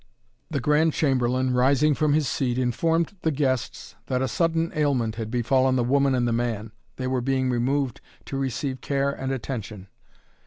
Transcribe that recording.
The Grand Chamberlain, rising from his seat, informed the guests that a sudden ailment had befallen the woman and the man. They were being removed to receive care and attention.